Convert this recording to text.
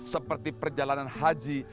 seperti perjalanan haji